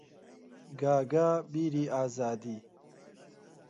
گاگا بیری ئازادی